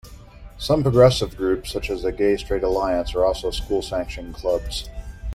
Some progressive groups such as the Gay Straight Alliance are also school sanctioned clubs.